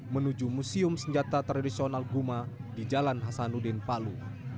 menuju museum senjata tradisional guma di jalan hasanuddin palu